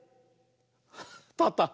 たった。